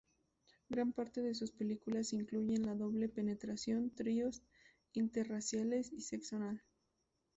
Gran parte de sus películas incluyen la doble penetración, tríos, interraciales y sexo anal.